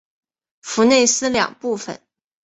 弗内斯两部分。